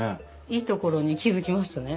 いいところに気付きましたね！